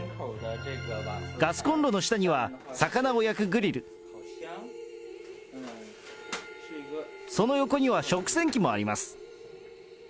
ガスコンロの下には魚を焼くグリル、その横には食洗機もあります。